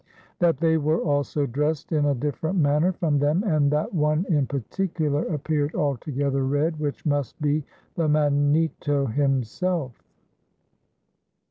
That they were also dressed in a different manner from them and that one in particular appeared altogether red, which must be the Mannitto himself."